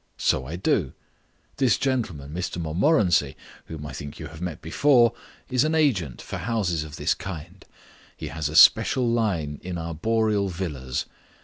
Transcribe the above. So I do. This gentleman, Mr Montmorency, whom I think you have met before, is an agent for houses of this kind. He has a special line in arboreal villas.